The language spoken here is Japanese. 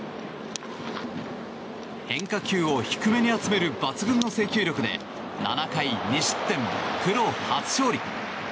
変化球を低めに集める抜群の制球力で７回２失点、プロ初勝利。